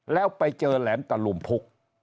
แล้วไปเจอแหลมตะลุมพุก